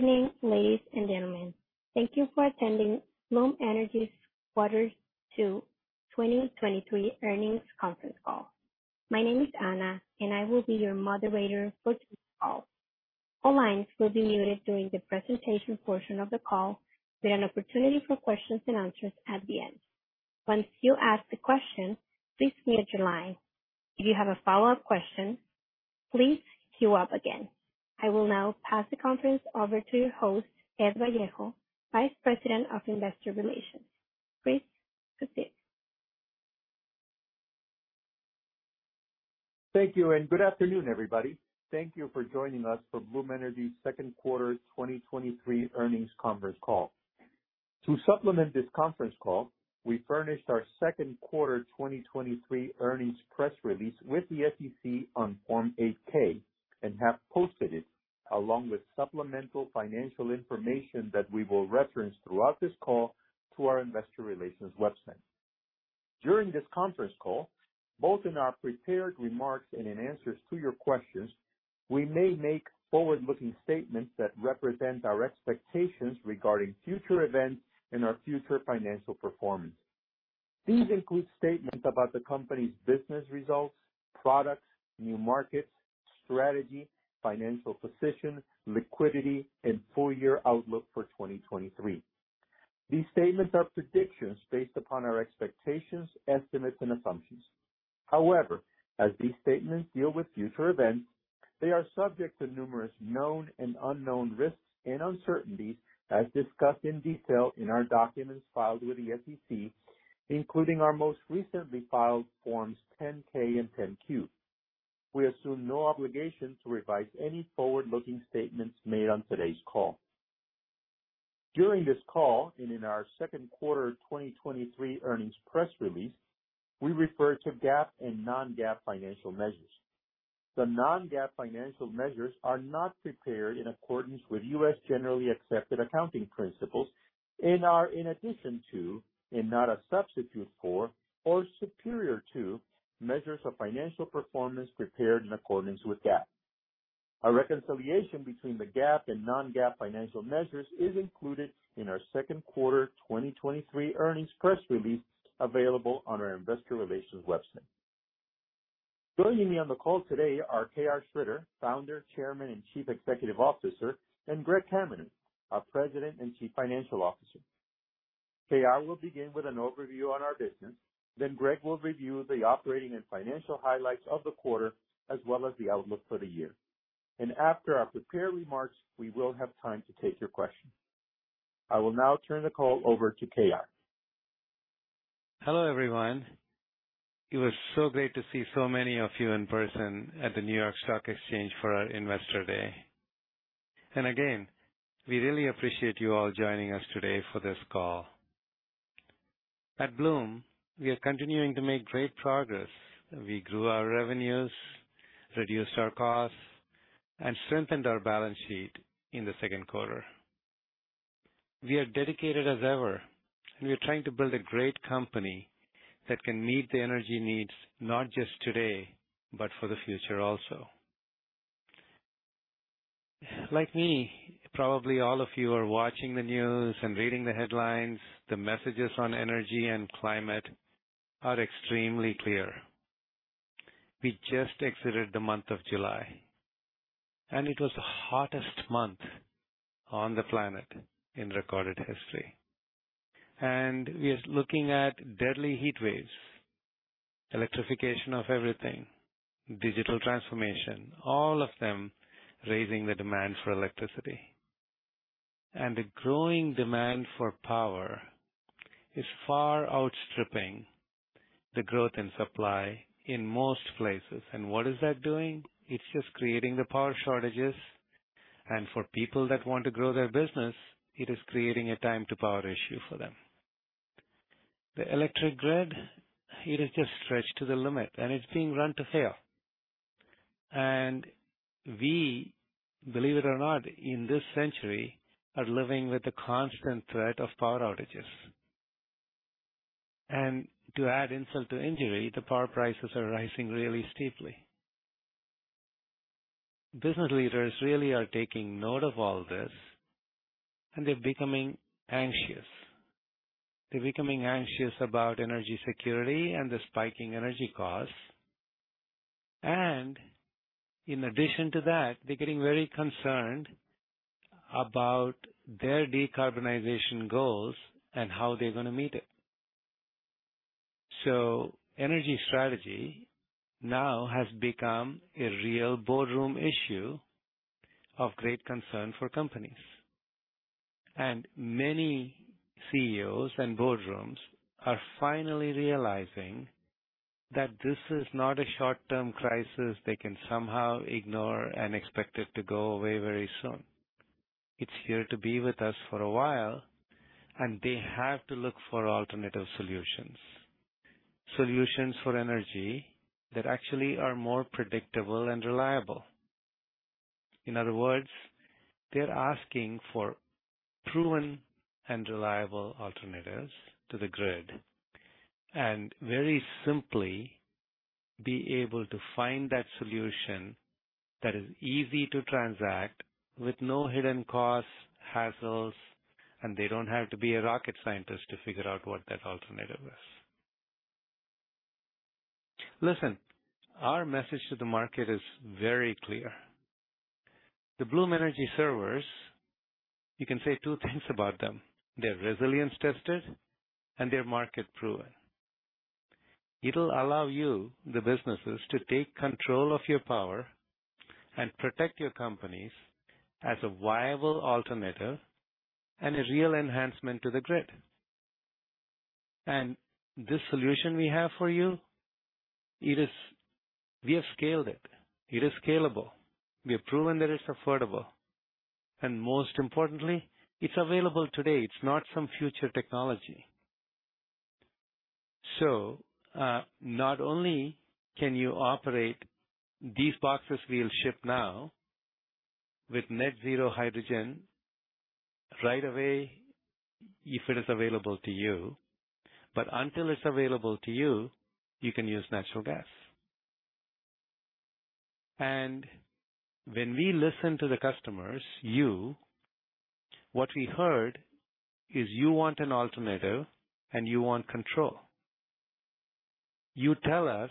Good evening, ladies and gentlemen. Thank you for attending Bloom Energy's Quarter Two 2023 Earnings Conference Call. My name is Anna. I will be your moderator for today's call. All lines will be muted during the presentation portion of the call with an opportunity for questions and answers at the end. Once you ask the question, please mute your line. If you have a follow-up question, please queue up again. I will now pass the conference over to your host, Ed Vallejo, Vice President of Investor Relations. Please proceed. Thank you, good afternoon, everybody. Thank you for joining us for Bloom Energy's second quarter 2023 earnings conference call. To supplement this conference call, we furnished our second quarter 2023 earnings press release with the SEC on Form 8-K and have posted it, along with supplemental financial information that we will reference throughout this call to our investor relations website. During this conference call, both in our prepared remarks and in answers to your questions, we may make forward-looking statements that represent our expectations regarding future events and our future financial performance. These include statements about the company's business results, products, new markets, strategy, financial position, liquidity, and full year outlook for 2023. These statements are predictions based upon our expectations, estimates, and assumptions. However, as these statements deal with future events, they are subject to numerous known and unknown risks and uncertainties as discussed in detail in our documents filed with the SEC, including our most recently filed forms, 10-K and 10-Q. We assume no obligation to revise any forward-looking statements made on today's call. During this call, and in our second quarter 2023 earnings press release, we refer to GAAP and non-GAAP financial measures. The non-GAAP financial measures are not prepared in accordance with U.S. generally accepted accounting principles and are in addition to, and not a substitute for or superior to, measures of financial performance prepared in accordance with GAAP. A reconciliation between the GAAP and non-GAAP financial measures is included in our second quarter 2023 earnings press release, available on our investor relations website. Joining me on the call today are K.R. Sridhar, Founder, Chairman, and Chief Executive Officer, and Greg Cameron, our President and Chief Financial Officer. K.R. will begin with an overview on our business. Greg will review the operating and financial highlights of the quarter, as well as the outlook for the year. After our prepared remarks, we will have time to take your questions. I will now turn the call over to K.R. Hello, everyone. It was so great to see so many of you in person at the New York Stock Exchange for our Investor Day. Again, we really appreciate you all joining us today for this call. At Bloom, we are continuing to make great progress. We grew our revenues, reduced our costs, and strengthened our balance sheet in the second quarter. We are dedicated as ever, and we are trying to build a great company that can meet the energy needs, not just today, but for the future also. Like me, probably all of you are watching the news and reading the headlines. The messages on energy and climate are extremely clear. We just exited the month of July, and it was the hottest month on the planet in recorded history. We are looking at deadly heatwaves, electrification of everything, digital transformation, all of them raising the demand for electricity. The growing demand for power is far outstripping the growth in supply in most places. What is that doing? It's just creating the power shortages, and for people that want to grow their business, it is creating a time-to-power issue for them. The electric grid, it is just stretched to the limit, and it's being run to fail. We, believe it or not, in this century, are living with the constant threat of power outages. To add insult to injury, the power prices are rising really steeply. Business leaders really are taking note of all this, and they're becoming anxious. They're becoming anxious about energy security and the spiking energy costs. In addition to that, they're getting very concerned about their decarbonization goals and how they're going to meet it. Energy strategy now has become a real boardroom issue of great concern for companies. Many CEOs and boardrooms are finally realizing that this is not a short-term crisis they can somehow ignore and expect it to go away very soon. It's here to be with us for a while, and they have to look for alternative solutions, solutions for energy that actually are more predictable and reliable. In other words, they're asking for proven and reliable alternatives to the grid. Very simply be able to find that solution that is easy to transact with no hidden costs, hassles, and they don't have to be a rocket scientist to figure out what that alternative is. Listen, our message to the market is very clear. The Bloom Energy Server, you can say two things about them: they're resilience-tested and they're market-proven. It'll allow you, the businesses, to take control of your power and protect your companies as a viable alternative and a real enhancement to the grid. This solution we have for you, it is. We have scaled it. It is scalable. We have proven that it's affordable, and most importantly, it's available today. It's not some future technology. Not only can you operate these boxes we'll ship now with net zero hydrogen right away, if it is available to you, but until it's available to you, you can use natural gas. When we listen to the customers, what we heard is you want an alternative, and you want control. You tell us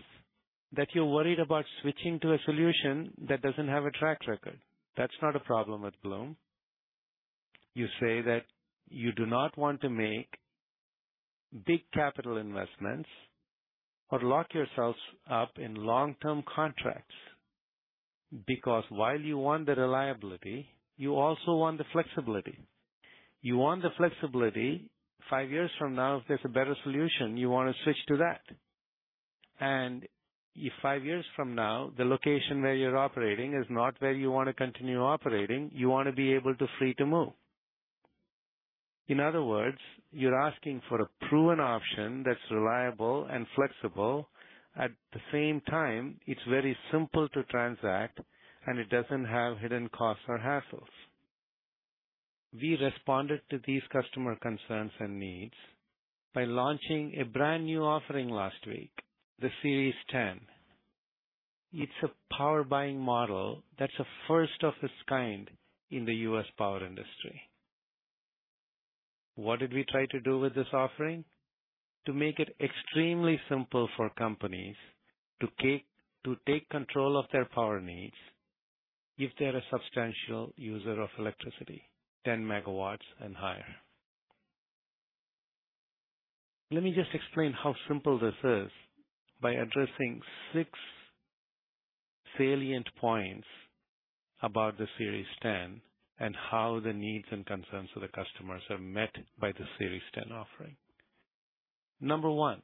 that you're worried about switching to a solution that doesn't have a track record. That's not a problem with Bloom. You say that you do not want to make big capital investments or lock yourselves up in long-term contracts because while you want the reliability, you also want the flexibility. You want the flexibility, 5 years from now, if there's a better solution, you want to switch to that. If 5 years from now, the location where you're operating is not where you want to continue operating, you want to be able to free to move. In other words, you're asking for a proven option that's reliable and flexible. At the same time, it's very simple to transact, and it doesn't have hidden costs or hassles. We responded to these customer concerns and needs by launching a brand-new offering last week, the Series 10. It's a power buying model that's a first of its kind in the U.S. power industry. What did we try to do with this offering? To make it extremely simple for companies to take control of their power needs if they're a substantial user of electricity, 10 megawatts and higher. Let me just explain how simple this is by addressing six salient points about the Series 10 and how the needs and concerns of the customers are met by the Series 10 offering. Number one,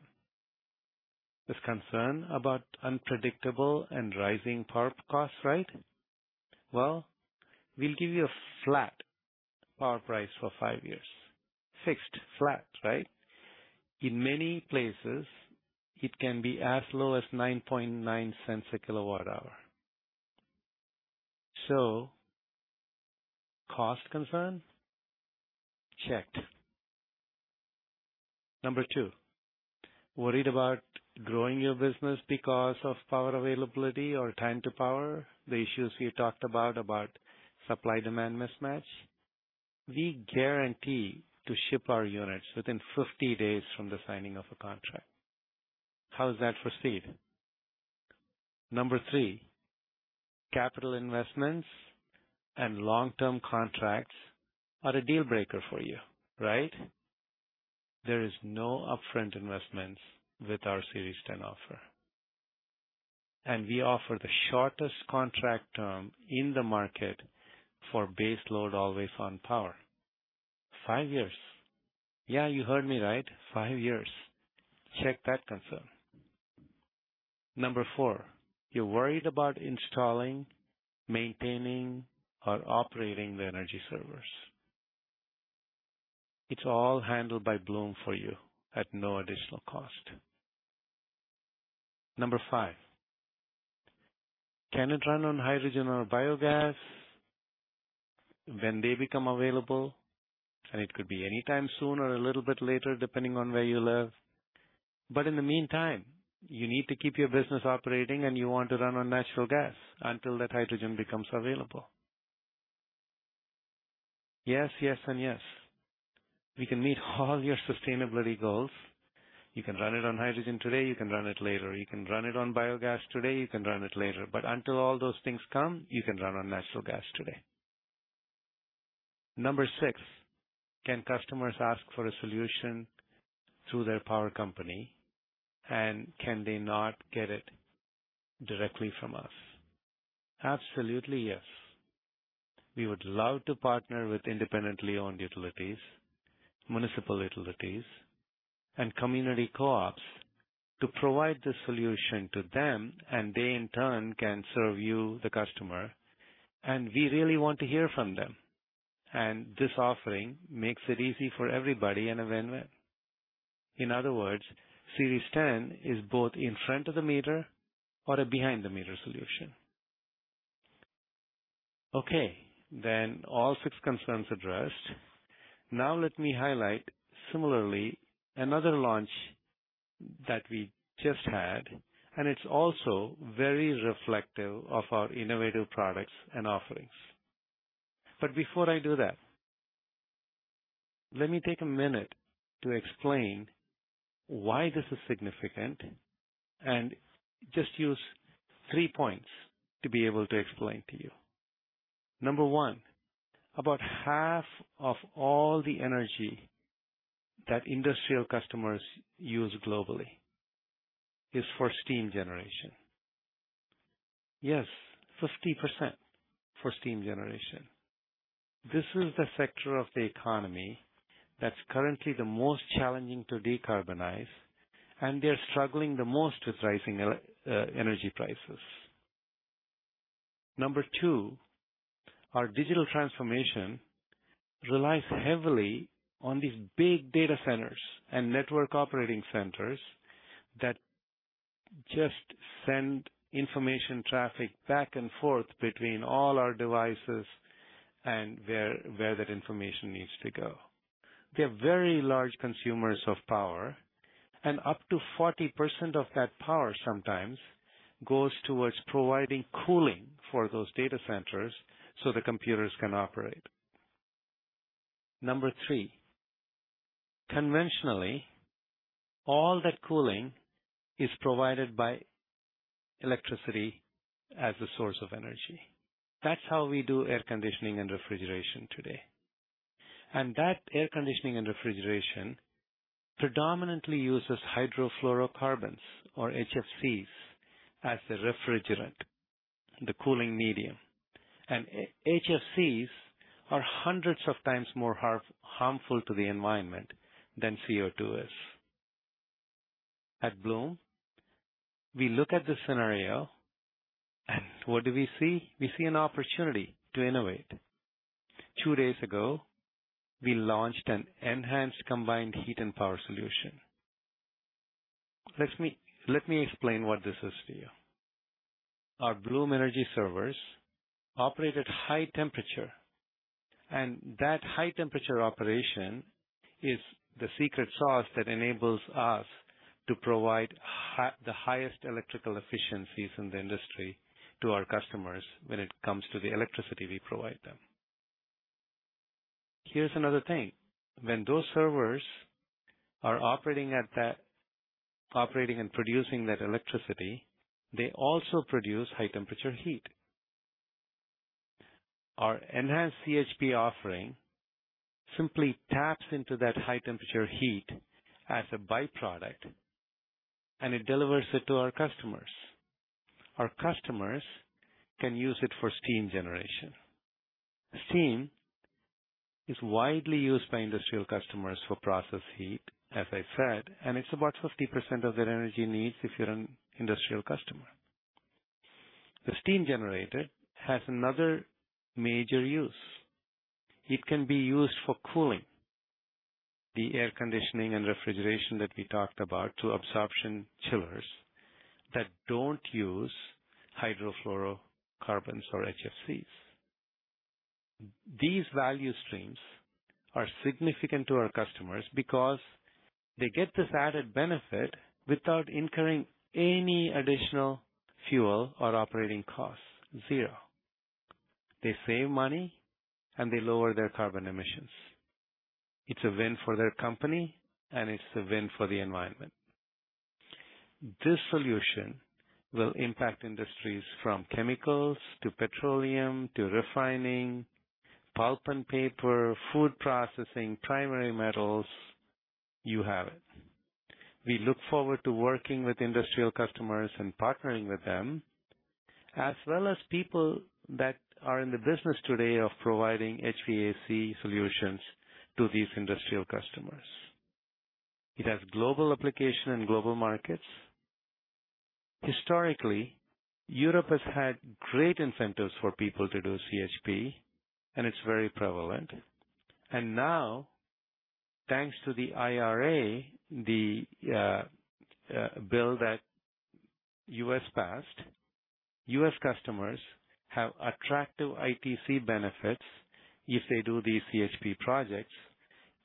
this concern about unpredictable and rising power costs, right? Well, we'll give you a flat power price for five years. Fixed, flat, right? In many places, it can be as low as $0.099 a kilowatt hour. Cost concern, checked. Number two, worried about growing your business because of power availability or time to power, the issues we talked about, about supply-demand mismatch? We guarantee to ship our units within 50 days from the signing of a contract. How is that for speed? Number 3, capital investments and long-term contracts are a deal breaker for you, right? There is no upfront investments with our Series 10 offer. We offer the shortest contract term in the market for base load, always-on power. 5 years. Yeah, you heard me right, 5 years. Check that concern. Number 4, you're worried about installing, maintaining, or operating the Energy Servers. It's all handled by Bloom for you at no additional cost. Number 5, can it run on hydrogen or biogas when they become available? It could be anytime soon or a little bit later, depending on where you live. In the meantime, you need to keep your business operating, and you want to run on natural gas until that hydrogen becomes available. Yes, yes, and yes. We can meet all your sustainability goals. You can run it on hydrogen today, you can run it later. You can run it on biogas today, you can run it later. Until all those things come, you can run on natural gas today. Number 6, can customers ask for a solution through their power company, and can they not get it directly from us? Absolutely, yes. We would love to partner with independently owned utilities, municipal utilities, and community co-ops to provide this solution to them, and they, in turn, can serve you, the customer, and we really want to hear from them. This offering makes it easy for everybody and a win-win. In other words, Series 10 is both in front of the meter or a behind the meter solution. Okay, all 6 concerns addressed. Let me highlight similarly, another launch that we just had, and it's also very reflective of our innovative products and offerings. Before I do that, let me take a minute to explain why this is significant and just use three points to be able to explain to you. Number 1, about half of all the energy that industrial customers use globally is for steam generation. Yes, 50% for steam generation. This is the sector of the economy that's currently the most challenging to decarbonize, and they're struggling the most with rising energy prices. Number 2, our digital transformation relies heavily on these big data centers and network operating centers that just send information traffic back and forth between all our devices and where, where that information needs to go. They're very large consumers of power, and up to 40% of that power sometimes goes towards providing cooling for those data centers so the computers can operate. Number three, conventionally, all that cooling is provided by electricity as a source of energy. That's how we do air conditioning and refrigeration today. That air conditioning and refrigeration predominantly uses hydrofluorocarbons or HFCs as the refrigerant, the cooling medium. HFCs are hundreds of times more harmful to the environment than CO2 is. At Bloom, we look at the scenario, and what do we see? We see an opportunity to innovate. Two days ago, we launched an enhanced combined heat and power solution. Let me explain what this is to you. Our Bloom Energy Servers operate at high temperature, and that high temperature operation is the secret sauce that enables us to provide the highest electrical efficiencies in the industry to our customers when it comes to the electricity we provide them. Here's another thing: when those servers are operating and producing that electricity, they also produce high temperature heat. Our enhanced CHP offering simply taps into that high temperature heat as a byproduct, and it delivers it to our customers. Our customers can use it for steam generation. Steam is widely used by industrial customers for process heat, as I said, and it's about 50% of their energy needs if you're an industrial customer. The steam generator has another major use. It can be used for cooling, the air conditioning and refrigeration that we talked about, to absorption chillers that don't use hydrofluorocarbons or HFCs. These value streams are significant to our customers because they get this added benefit without incurring any additional fuel or operating costs. Zero. They save money, and they lower their carbon emissions. It's a win for their company, and it's a win for the environment. This solution will impact industries from chemicals to petroleum to refining, pulp and paper, food processing, primary metals, you have it. We look forward to working with industrial customers and partnering with them, as well as people that are in the business today of providing HVAC solutions to these industrial customers. It has global application and global markets. Historically, Europe has had great incentives for people to do CHP, and it's very prevalent. Now, thanks to the IRA, the bill that U.S. passed, U.S. customers have attractive ITC benefits if they do these CHP projects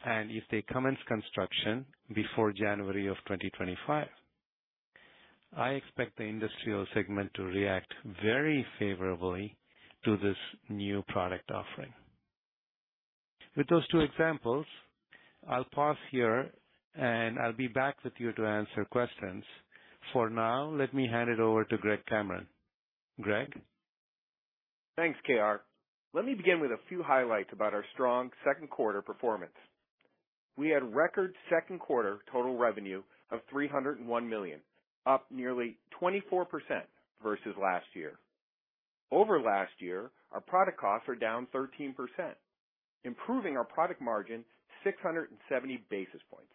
and if they commence construction before January of 2025. I expect the industrial segment to react very favorably to this new product offering. With those two examples, I'll pause here, and I'll be back with you to answer questions. For now, let me hand it over to Greg Cameron. Greg? Thanks, K.R. Let me begin with a few highlights about our strong 2Q performance. We had record 2Q total revenue of $301 million, up nearly 24% versus last year. Over last year, our product costs are down 13%, improving our product margin, 670 basis points.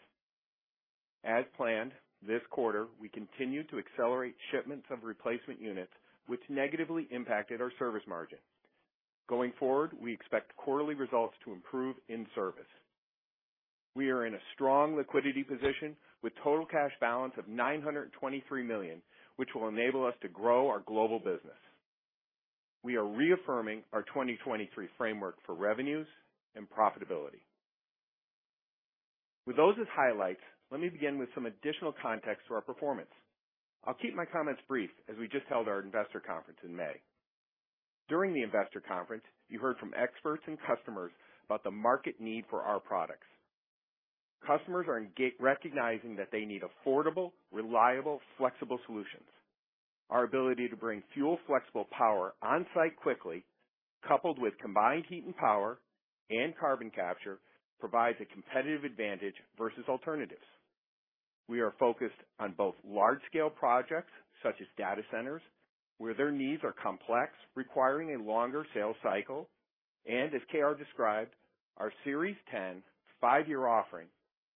As planned, this quarter, we continued to accelerate shipments of replacement units, which negatively impacted our service margin. Going forward, we expect quarterly results to improve in service. We are in a strong liquidity position, with total cash balance of $923 million, which will enable us to grow our global business. We are reaffirming our 2023 framework for revenues and profitability. With those as highlights, let me begin with some additional context to our performance. I'll keep my comments brief as we just held our investor conference in May. During the investor conference, you heard from experts and customers about the market need for our products. Customers are recognizing that they need affordable, reliable, flexible solutions. Our ability to bring fuel flexible power on-site quickly, coupled with combined heat and power and carbon capture, provides a competitive advantage versus alternatives. We are focused on both large-scale projects, such as data centers, where their needs are complex, requiring a longer sales cycle, and as KR described, our Series 10 five-year offering,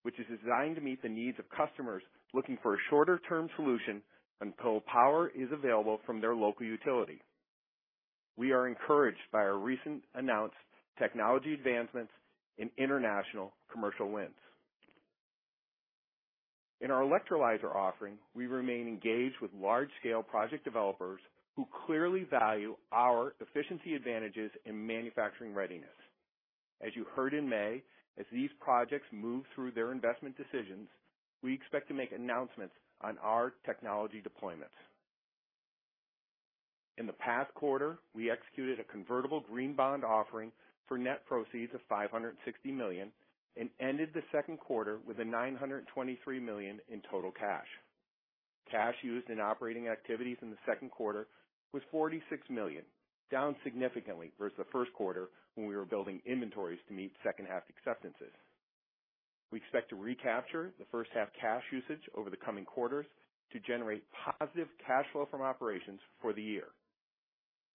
which is designed to meet the needs of customers looking for a shorter-term solution until power is available from their local utility. We are encouraged by our recent announced technology advancements in international commercial wins. In our electrolyzer offering, we remain engaged with large-scale project developers who clearly value our efficiency advantages in manufacturing readiness. As you heard in May, as these projects move through their investment decisions, we expect to make announcements on our technology deployments. In the past quarter, we executed a convertible green bond offering for net proceeds of $560 million and ended the second quarter with $923 million in total cash. Cash used in operating activities in the second quarter was $46 million, down significantly versus the first quarter, when we were building inventories to meet second half acceptances. We expect to recapture the first half cash usage over the coming quarters to generate positive cash flow from operations for the year.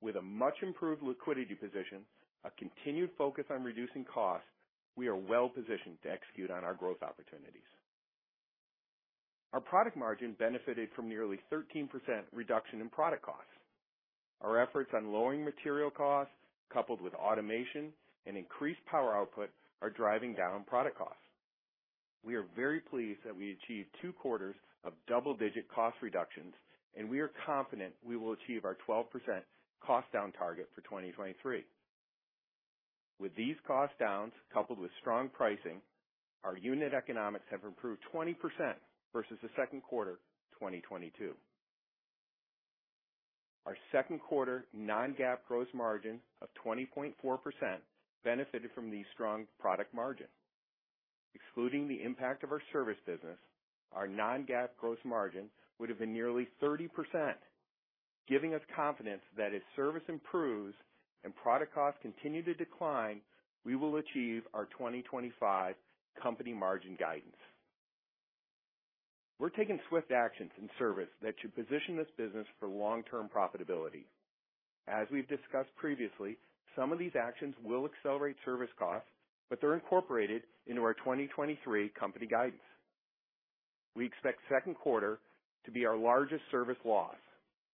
With a much improved liquidity position, a continued focus on reducing costs, we are well positioned to execute on our growth opportunities. Our product margin benefited from nearly 13% reduction in product costs. Our efforts on lowering material costs, coupled with automation and increased power output, are driving down product costs. We are very pleased that we achieved 2 quarters of double-digit cost reductions, and we are confident we will achieve our 12% cost down target for 2023. With these cost downs, coupled with strong pricing, our unit economics have improved 20% versus the second quarter of 2022. Our second quarter non-GAAP gross margin of 20.4% benefited from the strong product margin. Excluding the impact of our service business, our non-GAAP gross margin would have been nearly 30%, giving us confidence that as service improves and product costs continue to decline, we will achieve our 2025 company margin guidance. We're taking swift actions in service that should position this business for long-term profitability. As we've discussed previously, some of these actions will accelerate service costs, but they're incorporated into our 2023 company guidance. We expect second quarter to be our largest service loss,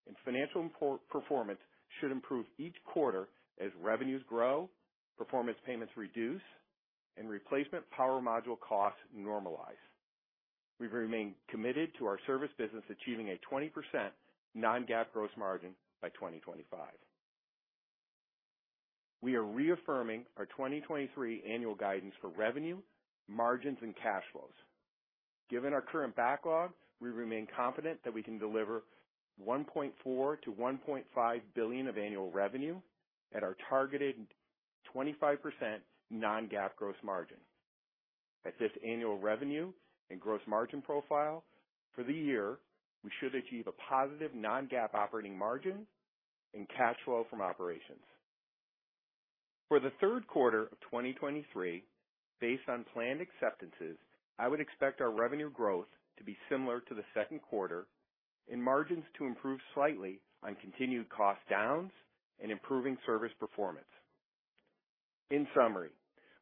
and financial import performance should improve each quarter as revenues grow, performance payments reduce, and replacement power module costs normalize. We remain committed to our service business, achieving a 20% non-GAAP gross margin by 2025. We are reaffirming our 2023 annual guidance for revenue, margins, and cash flows. Given our current backlog, we remain confident that we can deliver $1.4 billion-$1.5 billion of annual revenue at our targeted 25% non-GAAP gross margin. At this annual revenue and gross margin profile for the year, we should achieve a positive non-GAAP operating margin and cash flow from operations. For the third quarter of 2023, based on planned acceptances, I would expect our revenue growth to be similar to the second quarter and margins to improve slightly on continued cost downs and improving service performance. In summary,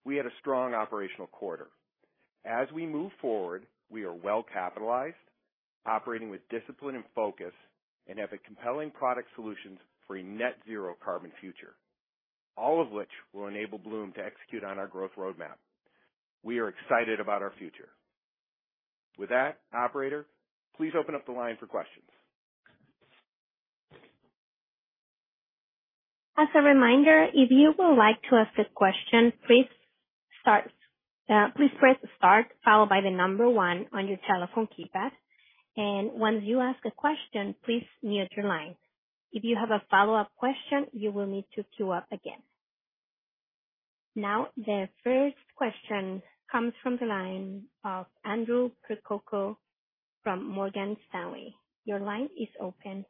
we had a strong operational quarter. As we move forward, we are well capitalized, operating with discipline and focus, and have a compelling product solutions for a net zero carbon future, all of which will enable Bloom to execute on our growth roadmap. We are excited about our future. With that, operator, please open up the line for questions. As a reminder, if you would like to ask a question, please start, please press star followed by 1 on your telephone keypad, and once you ask a question, please mute your line. If you have a follow-up question, you will need to queue up again. The first question comes from the line of Andrew Percoco from Morgan Stanley. Your line is open.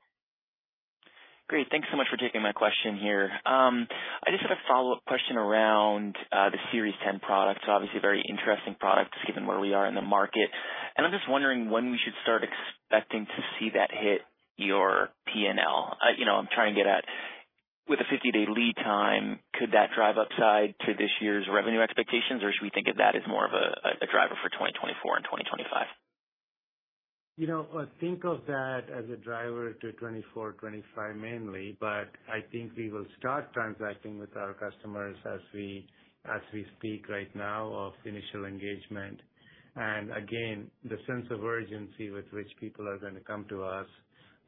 Great. Thanks so much for taking my question here. I just had a follow-up question around the Series 10 product. Obviously, a very interesting product, just given where we are in the market. I'm just wondering when we should start expecting to see that hit your PNL. You know, I'm trying to get at, with a 50-day lead time, could that drive upside to this year's revenue expectations, or should we think of that as more of a driver for 2024 and twenty-... You know, think of that as a driver to 2024, 2025 mainly, but I think we will start transacting with our customers as we, as we speak right now of initial engagement. Again, the sense of urgency with which people are going to come to us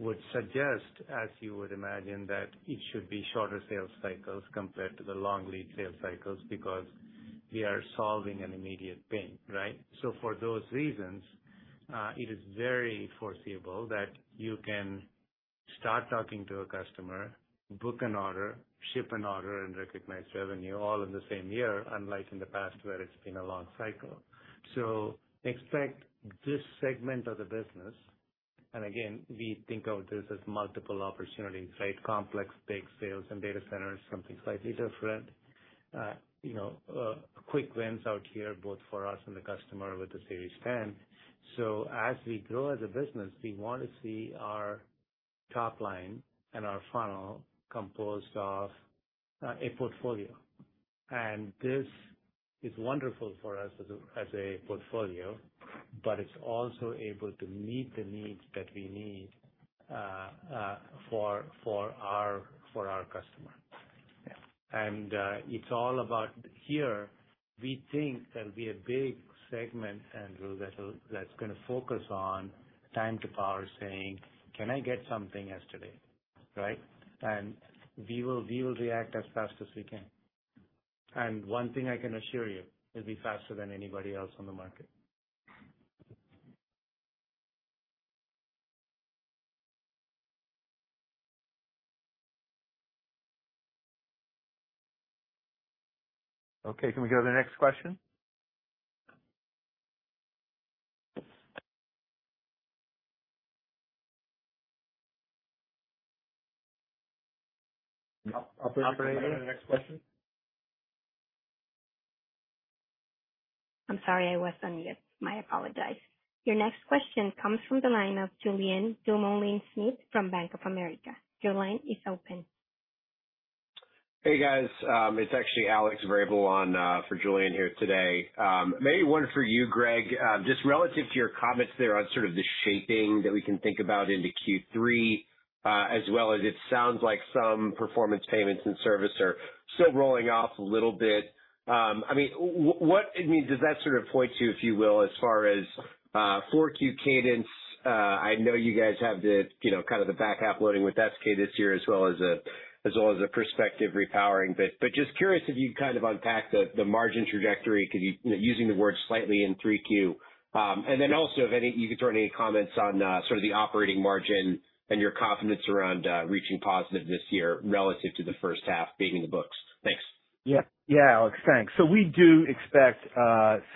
would suggest, as you would imagine, that it should be shorter sales cycles compared to the long lead sales cycles, because we are solving an immediate pain, right? For those reasons, it is very foreseeable that you can start talking to a customer, book an order, ship an order, and recognize revenue all in the same year, unlike in the past, where it's been a long cycle. Expect this segment of the business, and again, we think of this as multiple opportunities, right? Complex, big sales and data centers, something slightly different. wins out here, both for us and the customer with the Series 10. As we grow as a business, we want to see our top line and our funnel composed of a portfolio. This is wonderful for us as a portfolio, but it's also able to meet the needs that we need for our customer. It's all about here, we think there'll be a big segment, Andrew, that's going to focus on time to power, saying, "Can I get something yesterday?" Right? We will, we will react as fast as we can. One thing I can assure you, it'll be faster than anybody else on the market. Okay, can we go to the next question? No, operator, the next question. I'm sorry I was on mute. My apologize. Your next question comes from the line of Julien Dumoulin-Smith from Bank of America. Your line is open. Hey, guys. It's actually Alex Vrabel on for Julien here today. Maybe one for you, Greg. Just relative to your comments there on sort of the shaping that we can think about into Q3, as well as it sounds like some performance payments and service are still rolling off a little bit. I mean, what, I mean, does that sort of point to, if you will, as far as Q4 cadence? I know you guys have the, you know, kind of the back-half loading with SK this year, as well as the, as well as the prospective repowering. But just curious if you'd kind of unpack the margin trajectory, could you, you know, using the word slightly in Q3. Then also, if any, you could throw any comments on, sort of the operating margin and your confidence around, reaching positive this year relative to the first half beating the books. Thanks. Yeah. Yeah, Alex, thanks. We do expect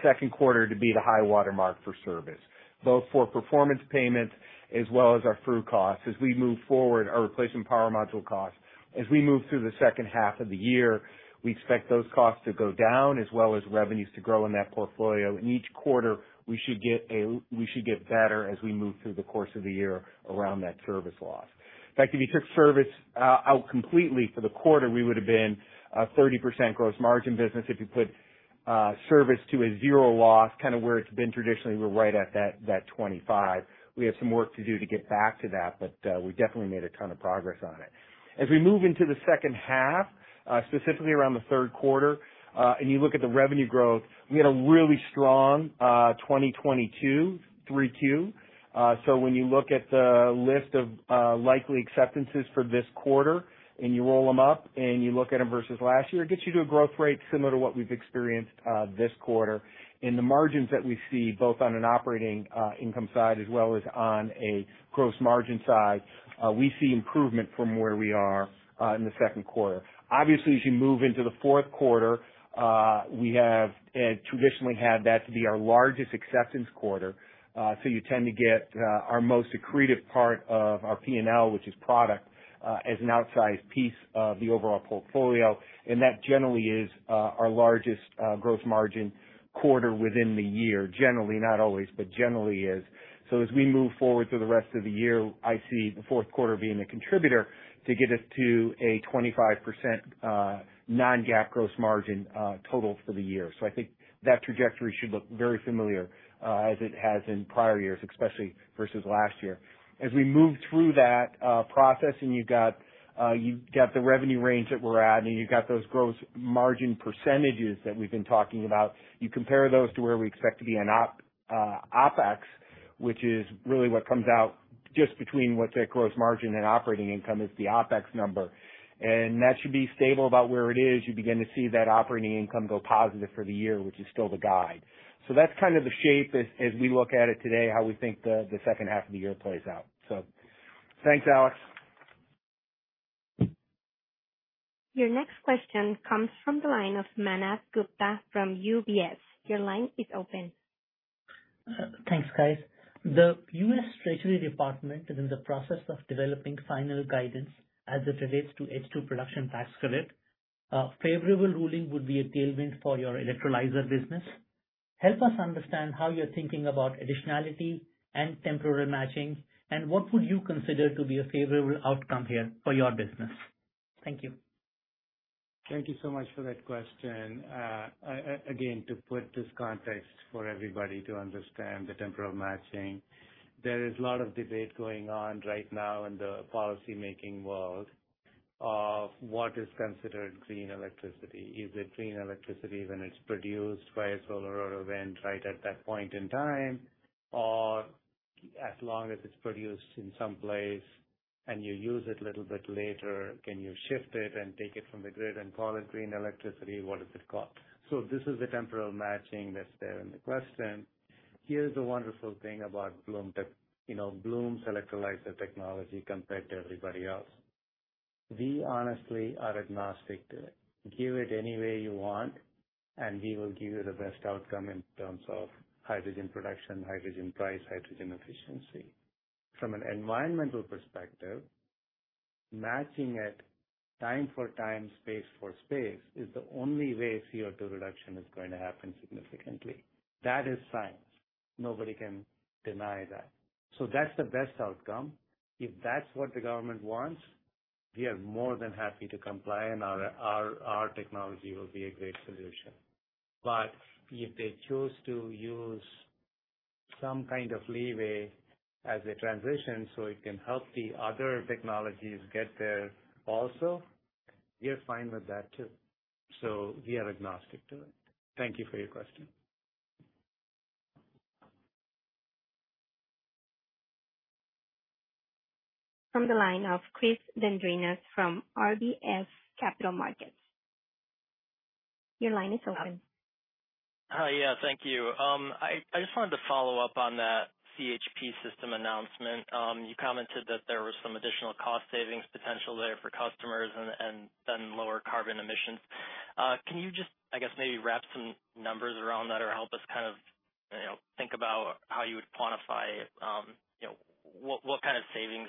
second quarter to be the high water mark for service, both for performance payments as well as our through costs. As we move forward, our replacement power module costs. As we move through the second half of the year, we expect those costs to go down, as well as revenues to grow in that portfolio. In each quarter, we should get better as we move through the course of the year around that service loss. In fact, if you took service out completely for the quarter, we would have been a 30% gross margin business. If you put service to a zero loss, kind of where it's been traditionally, we're right at that, that 25. We have some work to do to get back to that, but we definitely made a ton of progress on it. As we move into the second half, specifically around the third quarter, and you look at the revenue growth, we had a really strong 2022 3Q. When you look at the list of likely acceptances for this quarter, and you roll them up and you look at them versus last year, it gets you to a growth rate similar to what we've experienced this quarter. In the margins that we see, both on an operating income side as well as on a gross margin side, we see improvement from where we are in the second quarter. Obviously, as you move into the fourth quarter, we have, traditionally had that to be our largest acceptance quarter. You tend to get, our most accretive part of our PNL, which is product, as an outsized piece of the overall portfolio. That generally is, our largest, gross margin quarter within the year. Generally, not always, but generally is. As we move forward through the rest of the year, I see the fourth quarter being a contributor to get us to a 25%, non-GAAP gross margin, total for the year. I think that trajectory should look very familiar, as it has in prior years, especially versus last year. As we move through that process and you've got the revenue range that we're at, and you've got those gross margin percentages that we've been talking about, you compare those to where we expect to be on OpEx, which is really what comes out just between what's a gross margin and operating income, is the OpEx number. That should be stable about where it is. You begin to see that operating income go positive for the year, which is still the guide. That's kind of the shape as, as we look at it today, how we think the, the second half of the year plays out. Thanks, Alex. Your next question comes from the line of Manav Gupta from UBS. Your line is open. Thanks, guys. The US Treasury Department is in the process of developing final guidance as it relates to H2 production tax credit. Favorable ruling would be a tailwind for your electrolyzer business. Help us understand how you're thinking about additionality and temporal matching, and what would you consider to be a favorable outcome here for your business? Thank you. Thank you so much for that question. Again, to put this context for everybody to understand the temporal matching, there is a lot of debate going on right now in the policymaking world of what is considered green electricity. Is it green electricity when it's produced by a solar or a wind, right at that point in time, or as long as it's produced in some place and you use it a little bit later, can you shift it and take it from the grid and call it green electricity? What is it called? This is the temporal matching that's there in the question. Here's the wonderful thing about Bloom tech, you know, Bloom's electrolyzer technology compared to everybody else. We honestly are agnostic to it. Give it any way you want, we will give you the best outcome in terms of hydrogen production, hydrogen price, hydrogen efficiency. From an environmental perspective, matching it time for time, space for space, is the only way CO2 reduction is going to happen significantly. That is science. Nobody can deny that. That's the best outcome. If that's what the government wants, we are more than happy to comply, and our, our, our technology will be a great solution. If they choose to use some kind of leeway as they transition, so it can help the other technologies get there also, we are fine with that too. We are agnostic to it. Thank you for your question. From the line of Chris Dendrinos from RBC Capital Markets. Your line is open. Hi. Yeah, thank you. I, I just wanted to follow up on that CHP system announcement. You commented that there was some additional cost savings potential there for customers and, and then lower carbon emissions. Can you just, I guess, maybe wrap some numbers around that or help us kind of, you know, think about how you would quantify, you know, what, what kind of savings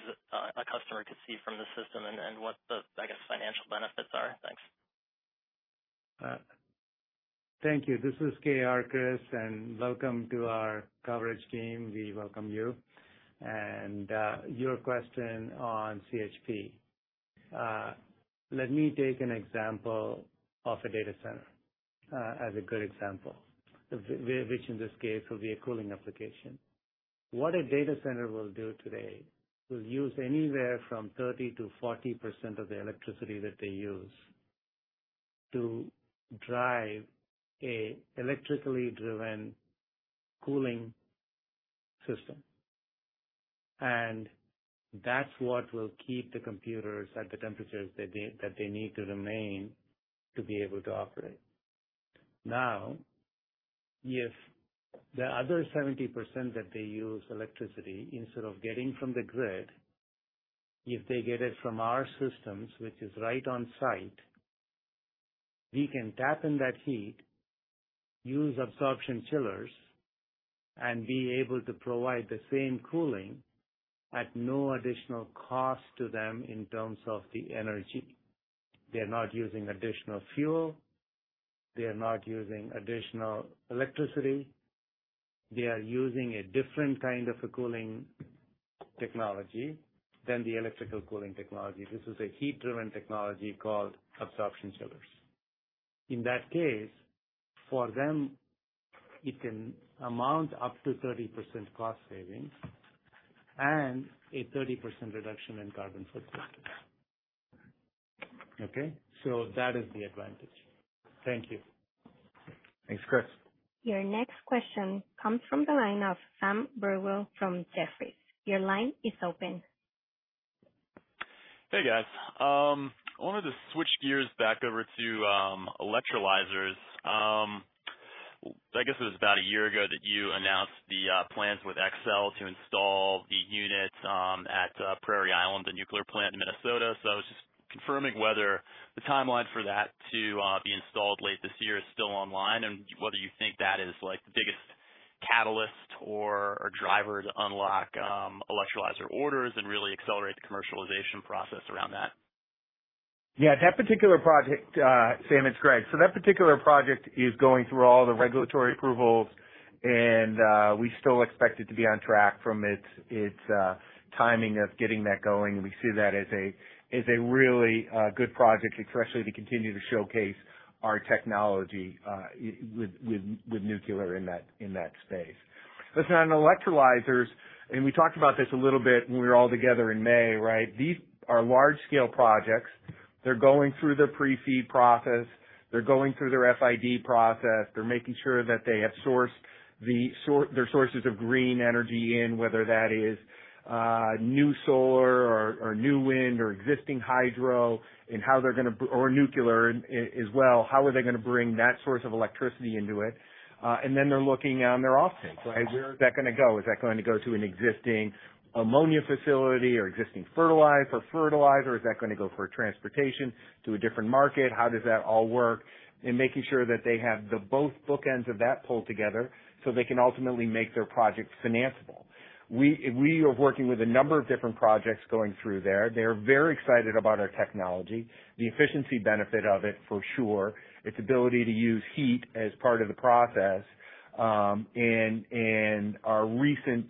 a customer could see from the system and, and what the, I guess, financial benefits are? Thanks. Thank you. This is K.R., Chris, and welcome to our coverage team. We welcome you and your question on CHP. Let me take an example of a data center as a good example, which in this case will be a cooling application. What a data center will do today, will use anywhere from 30%-40% of the electricity that they use to drive a electrically driven cooling system. That's what will keep the computers at the temperatures that they, that they need to remain to be able to operate. If the other 70% that they use electricity instead of getting from the grid, if they get it from our systems, which is right on site, we can tap in that heat, use absorption chillers, and be able to provide the same cooling at no additional cost to them in terms of the energy. They are not using additional fuel. They are not using additional electricity. They are using a different kind of a cooling technology than the electrical cooling technology. This is a heat-driven technology called absorption chillers. In that case, for them, it can amount up to 30% cost savings and a 30% reduction in carbon footprint. That is the advantage. Thank you. Thanks, Chris. Your next question comes from the line of Sam Burwell from Jefferies. Your line is open. Hey, guys. I wanted to switch gears back over to electrolyzers. I guess it was about a year ago that you announced the plans with Xcel to install the units at Prairie Island, the nuclear plant in Minnesota. I was just confirming whether the timeline for that to be installed late this year is still online, and whether you think that is, like, the biggest catalyst or driver to unlock electrolyzer orders and really accelerate the commercialization process around that? Yeah, that particular project, Sam, it's Greg. That particular project is going through all the regulatory approvals, and we still expect it to be on track from its, its timing of getting that going. We see that as a, as a really good project, especially to continue to showcase our technology with, with, with nuclear in that, in that space. Listen, on electrolyzers, and we talked about this a little bit when we were all together in May, right? These are large-scale projects. They're going through the pre-FEED process. They're going through their FID process. They're making sure that they have sourced their sources of green energy in, whether that is new solar or, or new wind or existing hydro, and how they're gonna Or nuclear as well, how are they gonna bring that source of electricity into it? Then they're looking on their off takes, right? Where is that gonna go? Is that going to go to an existing ammonia facility or existing fertilizer? Is that gonna go for transportation to a different market? How does that all work? Making sure that they have the both bookends of that pulled together so they can ultimately make their project financiable. We are working with a number of different projects going through there. They are very excited about our technology, the efficiency benefit of it, for sure, its ability to use heat as part of the process, and our recent...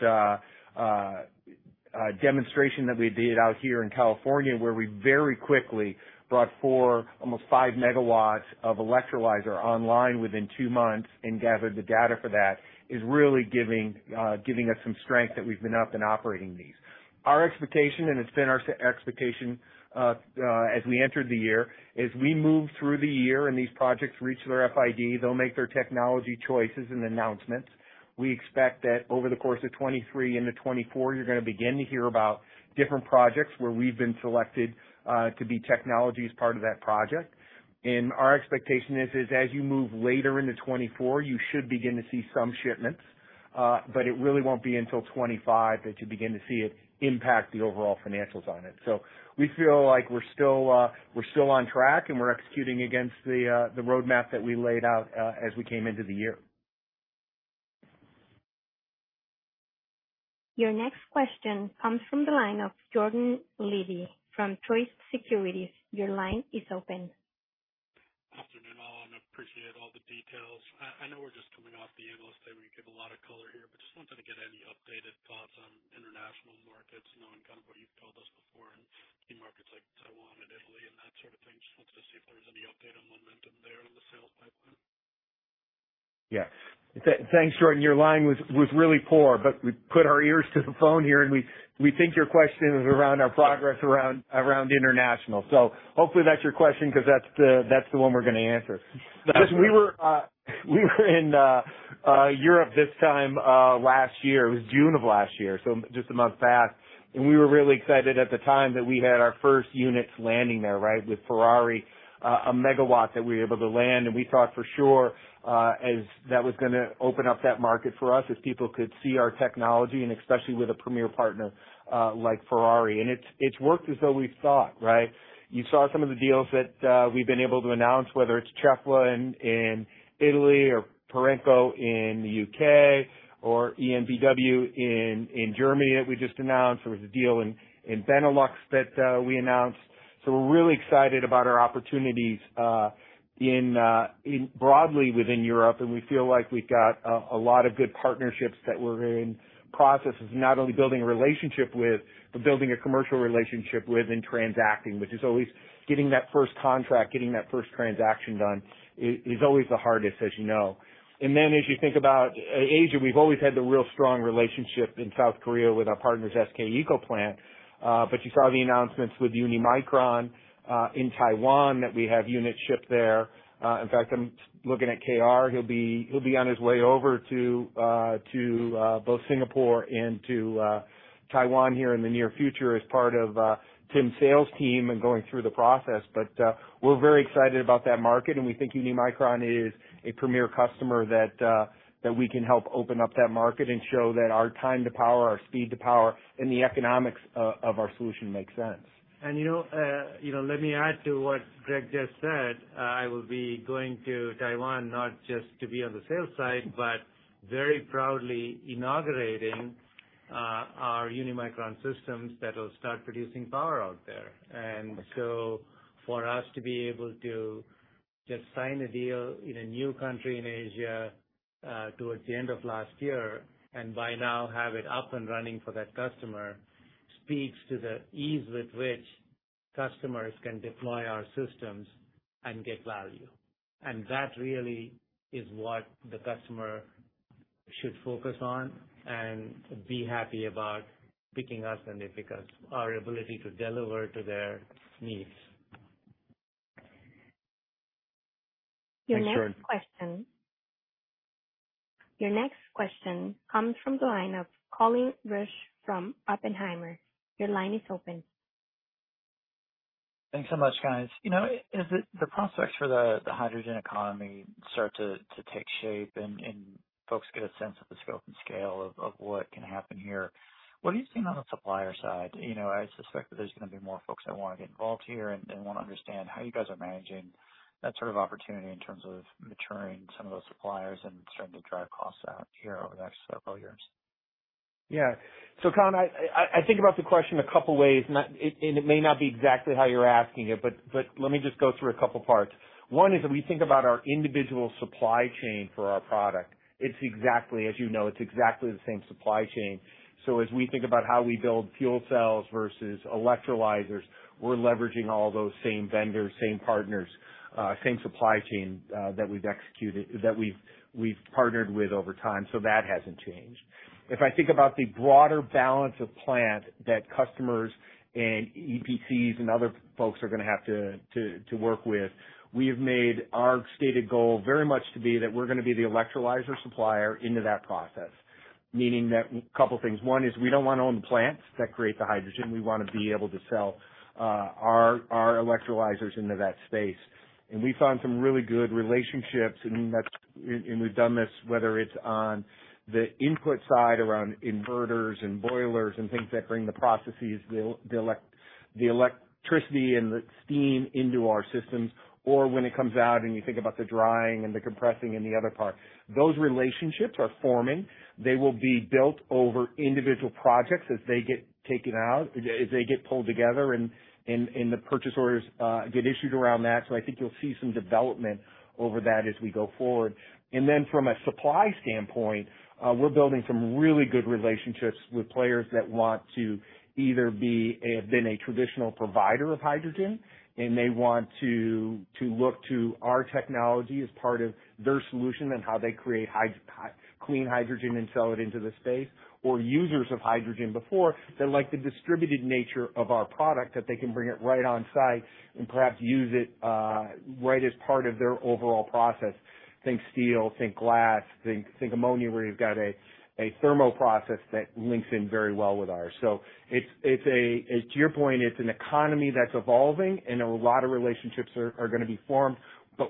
demonstration that we did out here in California, where we very quickly brought 4, almost 5 megawatts of electrolyzer online within 2 months and gathered the data for that, is really giving us some strength that we've been up and operating these. Our expectation, and it's been our expectation as we entered the year, as we move through the year and these projects reach their FID, they'll make their technology choices and announcements. We expect that over the course of 2023 into 2024, you're gonna begin to hear about different projects where we've been selected to be technology as part of that project. Our expectation is, as you move later into 2024, you should begin to see some shipments, but it really won't be until 2025 that you begin to see it impact the overall financials on it. We feel like we're still, we're still on track, and we're executing against the roadmap that we laid out as we came into the year. Your next question comes from the line of Jordan Levy from Truist Securities. Your line is open. Afternoon, all. Appreciate all the details. I, I know we're just coming off the Investor Day, where you give a lot of color here. Just wanted to get any updated thoughts on international markets, knowing kind of what you've told us before in key markets like Taiwan and Italy and that sort of thing. Just wanted to see if there was any update on momentum there in the sales pipeline. Yeah. Thanks, Jordan. Your line was really poor, we put our ears to the phone here, and we think your question is around our progress around international. Hopefully that's your question, because that's the one we're gonna answer. Gotcha. We were, we were in Europe this time last year. It was June of last year, so just a month passed, we were really excited at the time that we had our first units landing there, right, with Ferrari, a megawatt that we were able to land. We thought for sure, as that was gonna open up that market for us, as people could see our technology and especially with a premier partner, like Ferrari. It's, it's worked as though we've thought, right? You saw some of the deals that we've been able to announce, whether it's Cefla in Italy or Perenco in the UK or EnBW in Germany that we just announced. There was a deal in Benelux that we announced. We're really excited about our opportunities in broadly within Europe, and we feel like we've got a lot of good partnerships that we're in processes of not only building a relationship with, but building a commercial relationship with and transacting, which is always getting that first contract, getting that first transaction done is always the hardest, as you know. As you think about Asia, we've always had the real strong relationship in South Korea with our partners, SK ecoplant. But you saw the announcements with Unimicron in Taiwan, that we have units shipped there. In fact, I'm looking at K.R. He'll be, he'll be on his way over to both Singapore and to Taiwan here in the near future as part of Tim's sales team and going through the process. We're very excited about that market, and we think Unimicron is a premier customer that we can help open up that market and show that our time to power, our speed to power, and the economics of our solution make sense. You know, you know, let me add to what Greg just said. I will be going to Taiwan, not just to be on the sales side, but very proudly inaugurating our Unimicron systems that will start producing power out there. For us to be able to just sign a deal in a new country in Asia towards the end of last year, and by now have it up and running for that customer, speaks to the ease with which customers can deploy our systems and get value. That really is what the customer should focus on and be happy about picking us and because our ability to deliver to their needs. Thanks, Jordan. Your next question comes from the line of Colin Rush from Oppenheimer. Your line is open. Thanks so much, guys. You know, as the, the prospects for the, the hydrogen economy start to, to take shape and, and folks get a sense of the scope and scale of, of what can happen here, what are you seeing on the supplier side? You know, I suspect that there's gonna be more folks that want to get involved here and, and wanna understand how you guys are managing that sort of opportunity in terms of maturing some of those suppliers and starting to drive costs out here over the next several years. Yeah. Colin, I, I, I think about the question a couple ways, not, and it may not be exactly how you're asking it, but let me just go through a couple parts. One is that we think about our individual supply chain for our product. It's exactly as you know, it's exactly the same supply chain. As we think about how we build fuel cells versus electrolyzers, we're leveraging all those same vendors, same partners, same supply chain that we've executed, that we've partnered with over time, so that hasn't changed. If I think about the broader balance of plant that customers and EPCs and other folks are gonna have to work with, we have made our stated goal very much to be that we're gonna be the electrolyzer supplier into that process. Meaning that, couple things. One is we don't wanna own the plants that create the hydrogen. We wanna be able to sell our electrolyzers into that space. We found some really good relationships, and that's, and we've done this, whether it's on the input side, around inverters and boilers and things that bring the processes, the electricity and the steam into our systems, or when it comes out, and you think about the drying and the compressing and the other parts. Those relationships are forming. They will be built over individual projects as they get taken out, as they get pulled together, and the purchase orders get issued around that. I think you'll see some development over that as we go forward. From a supply standpoint, we're building some really good relationships with players that want to either be, have been a traditional provider of hydrogen, and they want to look to our technology as part of their solution and how they create clean hydrogen and sell it into the space. Users of hydrogen before that like the distributed nature of our product, that they can bring it right on site and perhaps use it right as part of their overall process. Think steel, think glass, think, think ammonia, where you've got a thermal process that links in very well with ours. To your point, it's an economy that's evolving, and a lot of relationships are gonna be formed.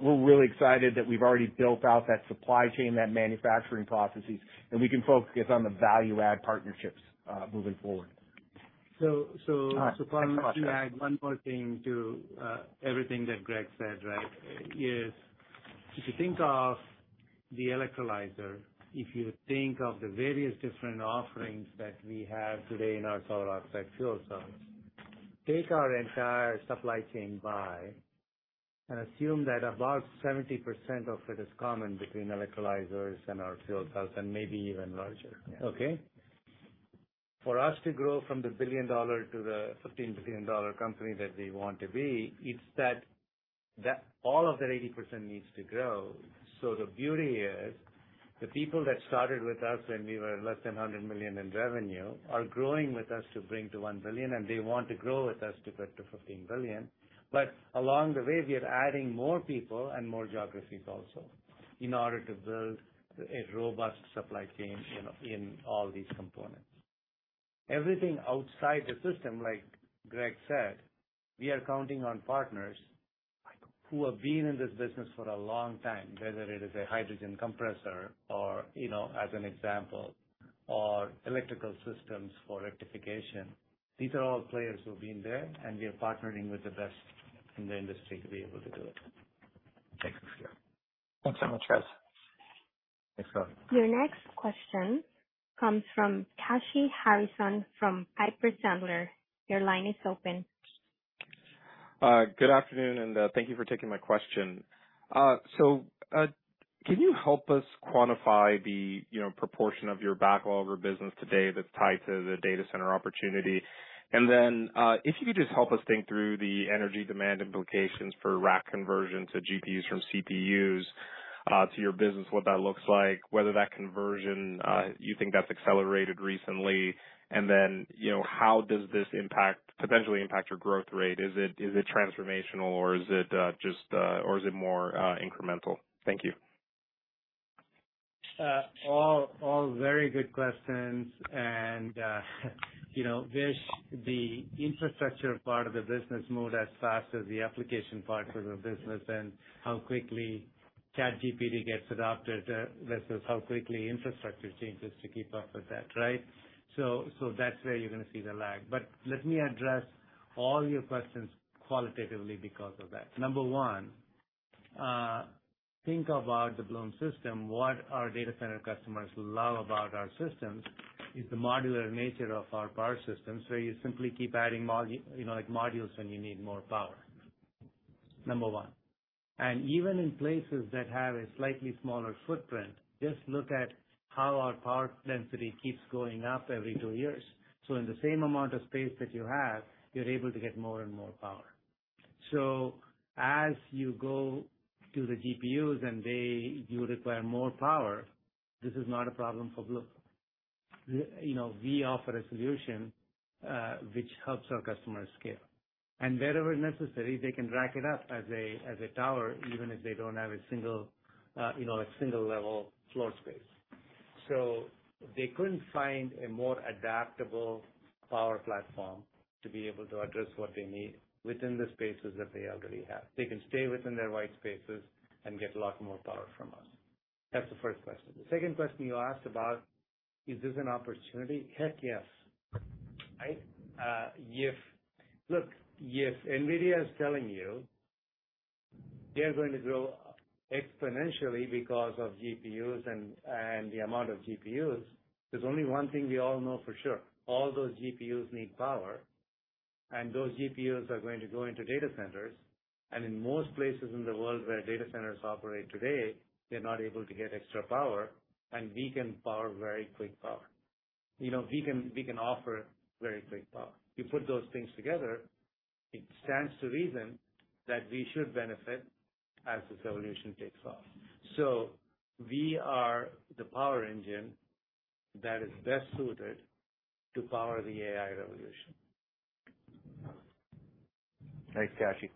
We're really excited that we've already built out that supply chain, that manufacturing processes, and we can focus on the value add partnerships, moving forward. So, so- Thanks a lot. To add 1 more thing to everything that Greg said, right, is if you think of the electrolyzer, if you think of the various different offerings that we have today in our solar site fuel cells, take our entire supply chain buy and assume that about 70% of it is common between electrolyzers and our fuel cells and maybe even larger. Yeah. Okay? For us to grow from the $1 billion to the $15 billion company that we want to be, it's that, that all of that 80% needs to grow. The beauty is, the people that started with us when we were less than $100 million in revenue, are growing with us to bring to $1 billion, and they want to grow with us to get to $15 billion. Along the way, we are adding more people and more geographies also, in order to build a robust supply chain in all these components. Everything outside the system, like Greg said, we are counting on partners who have been in this business for a long time, whether it is a hydrogen compressor or, you know, as an example, or electrical systems for rectification. These are all players who have been there. We are partnering with the best in the industry to be able to do it. Thanks, appreciate it. Thanks so much, guys. Thanks, Scott. Your next question comes from Kashy Harrison from Piper Sandler. Your line is open. Uh, good afternoon, and, uh, thank you for taking my question. Uh, so, uh, can you help us quantify the, you know, proportion of your backhaul over business today that's tied to the data center opportunity? And then, uh, if you could just help us think through the energy demand implications for rack conversion to GPUs from CPUs, uh, to your business, what that looks like, whether that conversion, uh, you think that's accelerated recently, and then, you know, how does this impact, potentially impact your growth rate? Is it, is it transformational, or is it, uh, just, uh, or is it more, uh, incremental? Thank you. All, all very good questions. You know, wish the infrastructure part of the business moved as fast as the application part of the business and how quickly ChatGPT gets adopted versus how quickly infrastructure changes to keep up with that, right? So that's where you're gonna see the lag. Let me address all your questions qualitatively because of that. Number one, think about the Bloom system. What our data center customers love about our systems is the modular nature of our power system. You simply keep adding you know, like, modules when you need more power. Number one, and even in places that have a slightly smaller footprint, just look at how our power density keeps going up every two years. In the same amount of space that you have, you're able to get more and more power. As you go to the GPUs and you require more power, this is not a problem for Bloom. You know, we offer a solution, which helps our customers scale. And wherever necessary, they can rack it up as a, as a tower, even if they don't have a single, you know, a single level floor space. They couldn't find a more adaptable power platform to be able to address what they need within the spaces that they already have. They can stay within their white spaces and get a lot more power from us. That's the first question. The second question you asked about, is this an opportunity? Heck, yes. I, if-- Look, if NVIDIA is telling you they're going to grow exponentially because of GPUs and, and the amount of GPUs, there's only one thing we all know for sure. All those GPUs need power. Those GPUs are going to go into data centers. In most places in the world where data centers operate today, they're not able to get extra power. We can power very quick power. You know, we can offer very quick power. You put those things together, it stands to reason that we should benefit as this revolution takes off. We are the power engine that is best suited to power the AI revolution. Thanks, Kashy.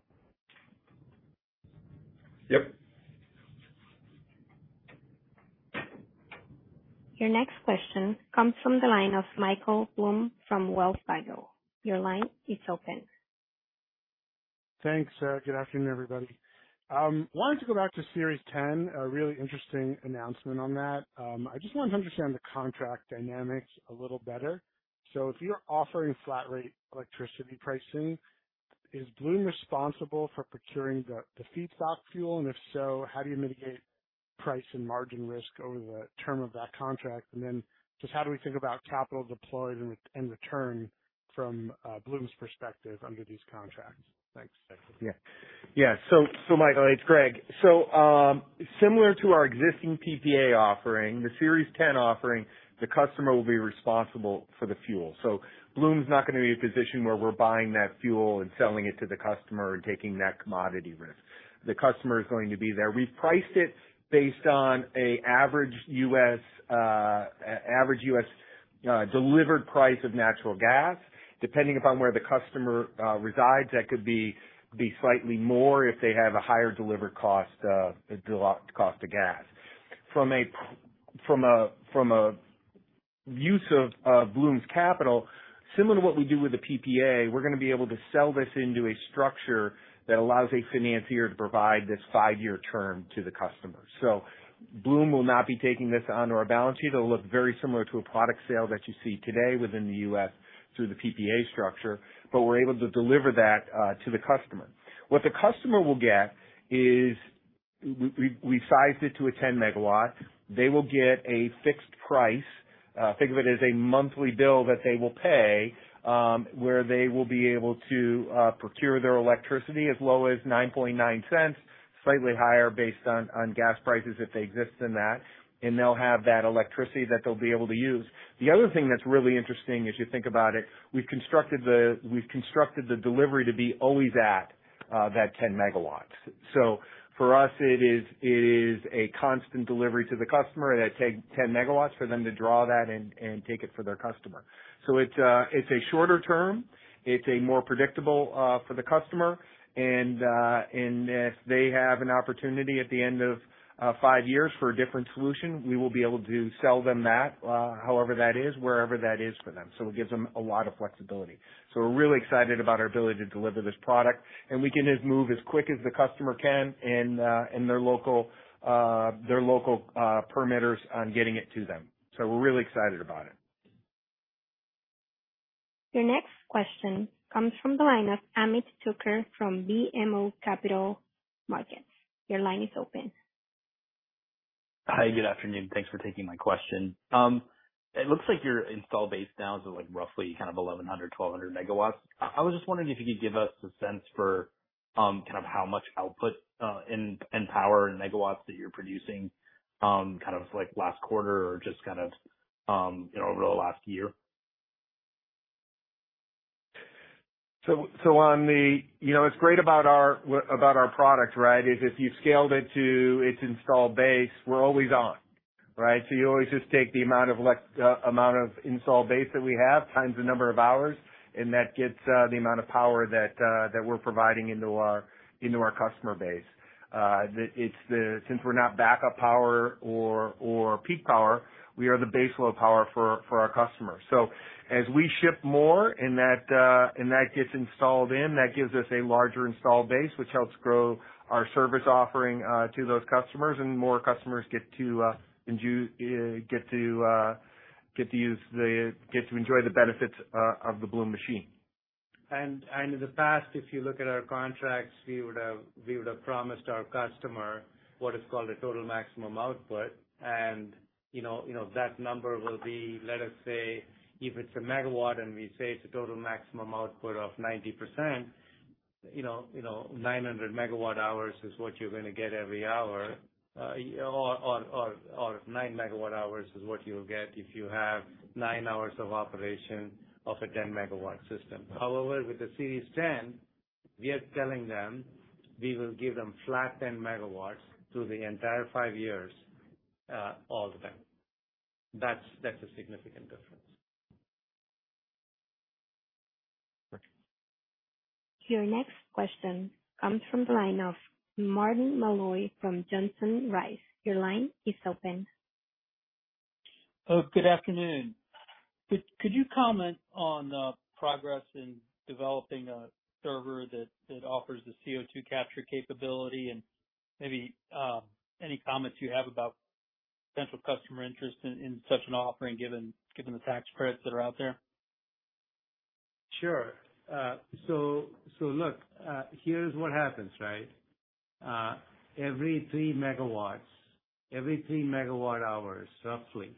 Yep. Your next question comes from the line of Michael Blum from Wells Fargo. Your line is open. Thanks, good afternoon, everybody. Wanted to go back to Series 10, a really interesting announcement on that. I just wanted to understand the contract dynamics a little better. If you're offering flat rate electricity pricing, is Bloom responsible for procuring the feedstock fuel? If so, how do you mitigate price and margin risk over the term of that contract? Then just how do we think about capital deployed and return from Bloom's perspective under these contracts? Thanks. Yeah. Yeah. Michael, it's Greg. Similar to our existing PPA offering, the Series 10 offering, the customer will be responsible for the fuel. Bloom's not gonna be in a position where we're buying that fuel and selling it to the customer and taking that commodity risk. The customer is going to be there. We've priced it based on a average U.S., a average U.S. delivered price of natural gas, depending upon where the customer resides. That could be slightly more if they have a higher delivered cost, cost of gas. From a use of Bloom's capital, similar to what we do with the PPA, we're gonna be able to sell this into a structure that allows a financier to provide this 5-year term to the customer. Bloom will not be taking this onto our balance sheet. It'll look very similar to a product sale that you see today within the US through the PPA structure, but we're able to deliver that to the customer. What the customer will get is we, we, we've sized it to a 10 megawatt. They will get a fixed price. Think of it as a monthly bill that they will pay where they will be able to procure their electricity as low as $0.099, slightly higher based on gas prices if they exist in that, and they'll have that electricity that they'll be able to use. The other thing that's really interesting, as you think about it, we've constructed the, we've constructed the delivery to be always at that 10 megawatts. For us, it is, it is a constant delivery to the customer at 10 megawatts for them to draw that and, and take it for their customer. It's a shorter term. It's a more predictable for the customer. If they have an opportunity at the end of 5 years for a different solution, we will be able to sell them that, however that is, wherever that is for them. It gives them a lot of flexibility. We're really excited about our ability to deliver this product, and we can just move as quick as the customer can in their local, their local permitters on getting it to them. We're really excited about it. Your next question comes from the line of Ameet Thakkar from BMO Capital Markets. Your line is open. Hi, good afternoon. Thanks for taking my question. It looks like your install base now is, like, roughly kind of 1,100, 1,200 megawatts. I was just wondering if you could give us a sense for, kind of how much output, in, in power and megawatts that you're producing, kind of like last quarter or just kind of, you know, over the last year. On the, you know, what's great about our about our product, right, is if you scaled it to its installed base, we're always on. Right? You always just take the amount of installed base that we have, times the number of hours, and that gets the amount of power that that we're providing into our, into our customer base. Since we're not backup power or, or peak power, we are the base load power for, for our customers. As we ship more and that and that gets installed in, that gives us a larger installed base, which helps grow our service offering to those customers, and more customers get to enjoy, get to, get to use the, get to enjoy the benefits of the Bloom machine. In the past, if you look at our contracts, we would have, we would have promised our customer what is called a total maximum output. You know, you know, that number will be, let us say, if it's a megawatt and we say it's a total maximum output of 90%, you know, you know, 900 megawatt hours is what you're gonna get every hour, or 9 megawatt hours is what you'll get if you have 9 hours of operation of a 10-megawatt system. However, with the Series 10, we are telling them we will give them flat 10 megawatts through the entire 5 years, all the time. That's a significant difference. Thank you. Your next question comes from the line of Martin Malloy from Johnson Rice. Your line is open. Oh, good afternoon. Could, could you comment on, progress in developing a server that, that offers the CO2 capture capability? Maybe, any comments you have about potential customer interest in, in such an offering, given, given the tax credits that are out there? Sure. Look, here's what happens, right? Every 3 megawatts, every 3 megawatt hours, roughly,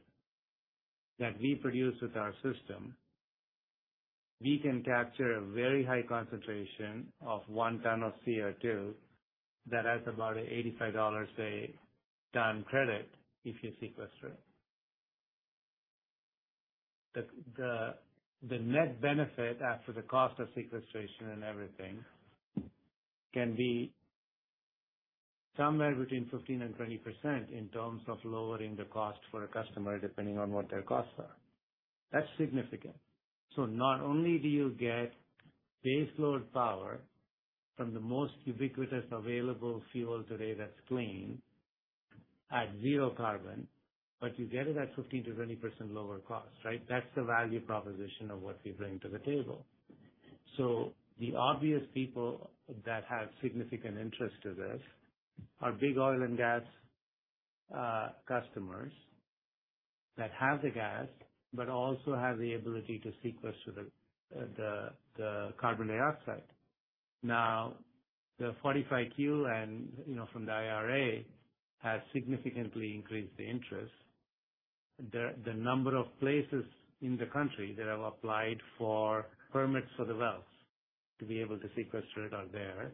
that we produce with our system, we can capture a very high concentration of 1 ton of CO2 that has about $85 a ton credit if you sequester it. The net benefit after the cost of sequestration and everything can be somewhere between 15% and 20% in terms of lowering the cost for a customer, depending on what their costs are. That's significant. Not only do you get baseload power from the most ubiquitous, available fuel today that's clean at zero carbon, but you get it at 15%-20% lower cost, right? That's the value proposition of what we bring to the table. The obvious people that have significant interest to this are big oil and gas customers that have the gas, but also have the ability to sequester the carbon dioxide. The 45Q, and, you know, from the IRA, has significantly increased the interest. The number of places in the country that have applied for permits for the wells to be able to sequester it are there.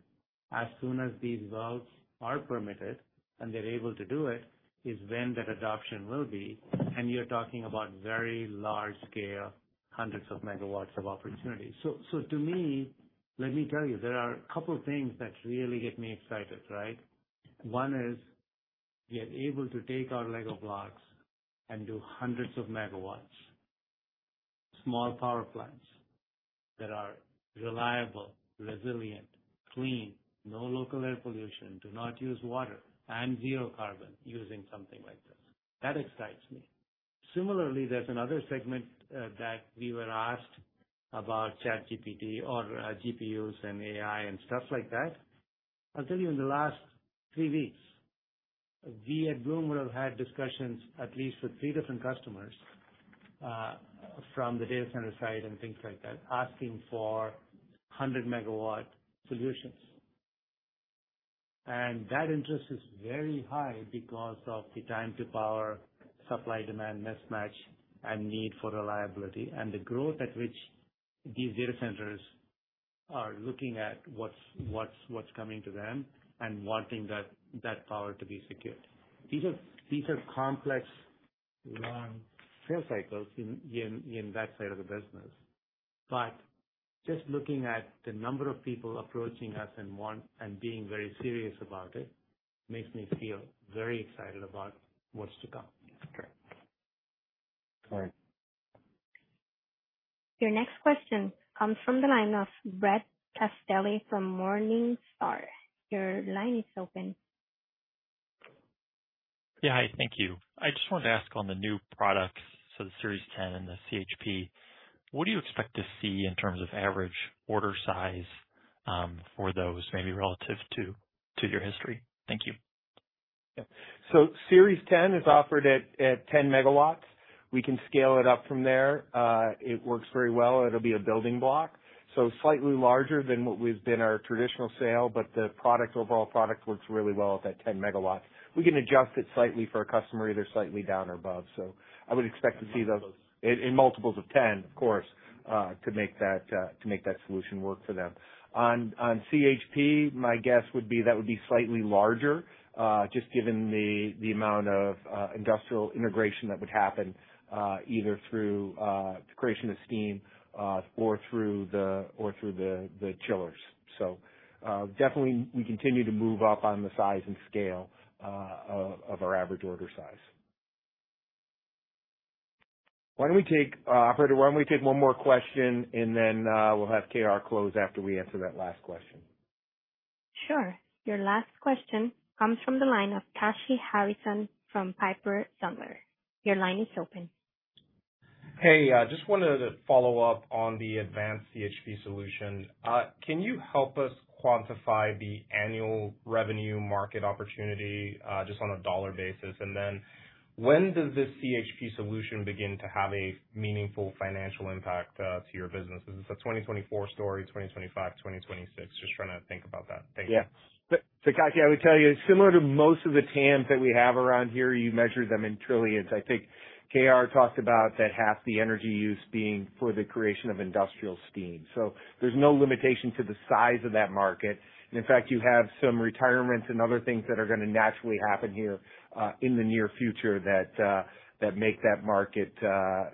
As soon as these wells are permitted and they're able to do it, is when that adoption will be, and you're talking about very large scale, hundreds of megawatts of opportunity. To me, let me tell you, there are a couple of things that really get me excited, right? One is we are able to take our Lego blocks and do hundreds of megawatts, small power plants that are reliable, resilient, clean, no local air pollution, do not use water, and zero carbon using something like this. That excites me. Similarly, there's another segment that we were asked about ChatGPT or GPUs and AI and stuff like that. I'll tell you, in the last three weeks, we at Bloom have had discussions at least with three different customers from the data center side and things like that, asking for 100 MW solutions. That interest is very high because of the time to power, supply-demand mismatch and need for reliability, and the growth at which these data centers are looking at what's, what's, what's coming to them and wanting that, that power to be secured. These are, these are complex, long sales cycles in, in, in that side of the business. Just looking at the number of people approaching us and being very serious about it, makes me feel very excited about what's to come. Great. All right. Your next question comes from the line of Brett Castelli from Morningstar. Your line is open. Yeah. Hi, thank you. I just wanted to ask on the new products, so the Series 10 and the CHP, what do you expect to see in terms of average order size for those maybe relative to, to your history? Thank you. Yeah. Series 10 is offered at, at 10 MW. We can scale it up from there. It works very well. It'll be a building block, so slightly larger than what we've been our traditional sale, but the product, overall product works really well at that 10 MW. We can adjust it slightly for a customer, either slightly down or above. I would expect to see those in, in multiples of 10, of course, to make that solution work for them. On CHP, my guess would be that would be slightly larger, just given the amount of industrial integration that would happen, either through the creation of steam, or through the chillers. Definitely we continue to move up on the size and scale of our average order size. Why don't we take, Operator, why don't we take one more question, and then, we'll have K.R. close after we answer that last question. Sure. Your last question comes from the line of Kashy Harrison from Piper Sandler. Your line is open. Hey, just wanted to follow up on the advanced CHP solution. Can you help us quantify the annual revenue market opportunity, just on a dollar basis? When does this CHP solution begin to have a meaningful financial impact to your business? Is this a 2024 story, 2025, 2026? Just trying to think about that. Thank you. Tashi, I would tell you, similar to most of the TAMs that we have around here, you measure them in trillions. I think K.R. talked about that half the energy use being for the creation of industrial steam, there's no limitation to the size of that market. In fact, you have some retirements and other things that are going to naturally happen here in the near future that make that market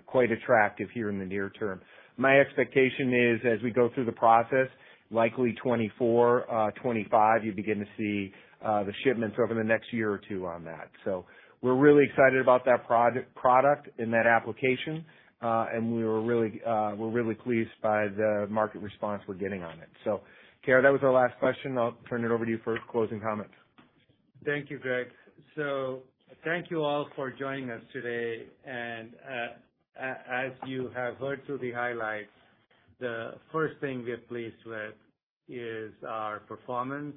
quite attractive here in the near term. My expectation is, as we go through the process, likely 24, 25, you begin to see the shipments over the next year or two on that. We're really excited about that product in that application, and we were really, we're really pleased by the market response we're getting on it. K.R., that was our last question. I'll turn it over to you for closing comments. Thank you, Greg. Thank you all for joining us today, and as you have heard through the highlights, the first thing we are pleased with is our performance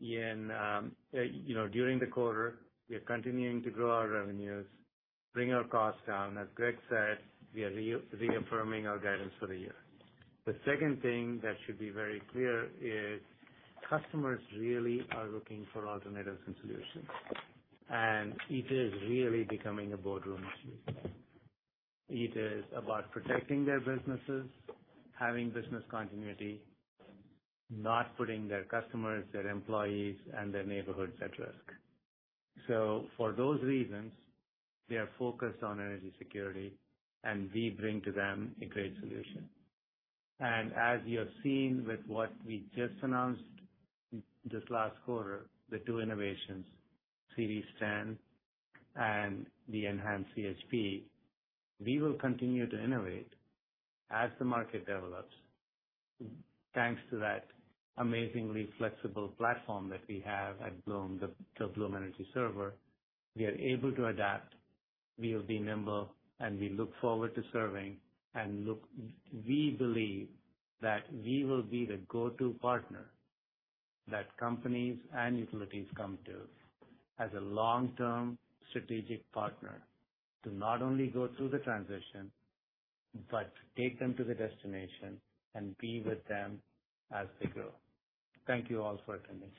in, you know, during the quarter. We are continuing to grow our revenues, bring our costs down. As Greg said, we are re-reaffirming our guidance for the year. The second thing that should be very clear is customers really are looking for alternatives and solutions, and it is really becoming a boardroom issue. It is about protecting their businesses, having business continuity, not putting their customers, their employees, and their neighborhoods at risk. For those reasons, we are focused on energy security, and we bring to them a great solution. As you have seen with what we just announced this last quarter, the two innovations, Series 10 and the enhanced CHP, we will continue to innovate as the market develops. Thanks to that amazingly flexible platform that we have at Bloom, the Bloom Energy Server, we are able to adapt, we have been nimble, and we look forward to serving. Look, we believe that we will be the go-to partner that companies and utilities come to as a long-term strategic partner to not only go through the transition, but take them to the destination and be with them as they grow. Thank you all for attending.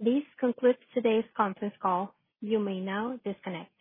This concludes today's conference call. You may now disconnect.